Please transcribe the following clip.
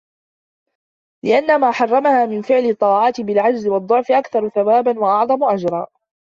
لِأَنَّ مَا حَرَمَهَا مِنْ فِعْلِ الطَّاعَاتِ بِالْعَجْزِ وَالضَّعْفِ أَكْثَرُ ثَوَابًا وَأَعْظَمُ أَجْرًا